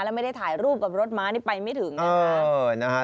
แล้วไม่ได้ถ่ายรูปกับรถม้านี่ไปไม่ถึงนะคะ